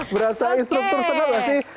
berasa instruktur serba banget sih